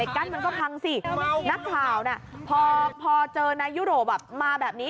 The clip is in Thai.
กั้นมันก็พังสินักข่าวน่ะพอเจอนายยุโรปแบบมาแบบนี้